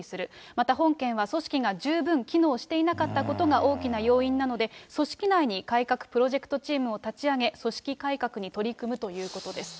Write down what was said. また本件は組織が十分機能していなかったことが大きな要因なので、組織内に改革プロジェクトチームを立ち上げ、組織改革に取り組むということです。